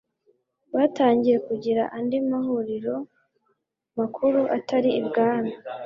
batangiye kugira andi mahuriro makuru atari ibwami